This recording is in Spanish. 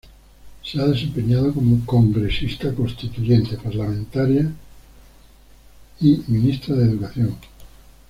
Se ha desempeñado como congresista constituyente, parlamentaria y ministra de educación.